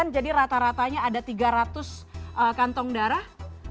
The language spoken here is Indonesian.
jadi rata ratanya ada tiga ratus kantong darah